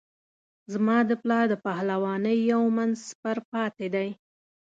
زما د پلار د پهلوانۍ یو من سپر پاته دی.